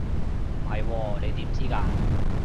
唔係喎，你點知㗎？